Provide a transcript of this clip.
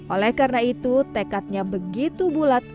oleh karena itu tekadnya begitu bulat